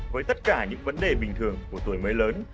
với tất cả những vấn đề bình thường của tuổi mới lớn